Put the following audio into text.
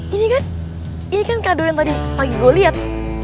ini kan ini kan kado yang tadi pagi gue liat